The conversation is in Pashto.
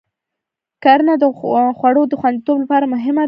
کرنه د خوړو د خوندیتوب لپاره مهمه ده.